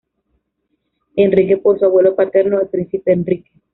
Enrique por su abuelo paterno, el príncipe Enrique.